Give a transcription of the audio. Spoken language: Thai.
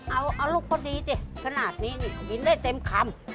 เอาลูกก็ดีสิขนาดนี้ดีได้เต็มคำ